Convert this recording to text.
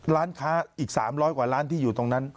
ร้านค้าอีกสามร้อยกว่าร้านที่อยู่ตรงนั้น